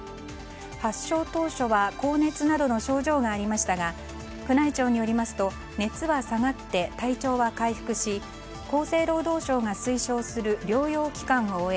発症当初は高熱などの症状がありましたが宮内庁によりますと熱は下がって、体調は回復し厚生労働省が推奨する療養期間を終え